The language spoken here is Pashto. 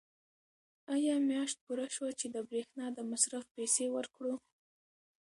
آیا میاشت پوره شوه چې د برېښنا د مصرف پیسې ورکړو؟